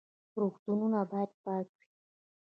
روغتونونه باید پاک وي